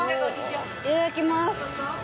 いただきます。